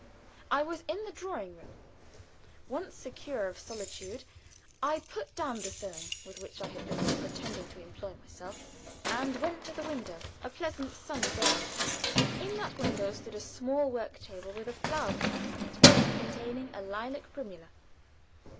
I was in the drawing room. Once secure of solitude, I put down the sewing with which I had been pretending to employ myself, and went to the window a pleasant, sunny bay. In that window stood a small work table, with a flower pot upon it containing a lilac primula.